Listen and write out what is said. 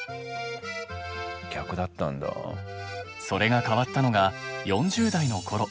それが変わったのが４０代の頃。